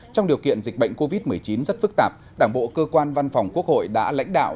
trong điều kiện dịch bệnh covid một mươi chín rất phức tạp đảng bộ cơ quan văn phòng quốc hội đã lãnh đạo